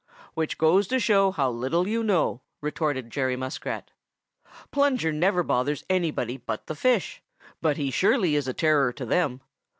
"Which goes to show how little you know!" retorted Jerry Muskrat. "Plunger never bothers anybody but the fish, but he surely is a terror to them.